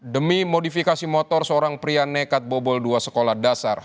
demi modifikasi motor seorang pria nekat bobol dua sekolah dasar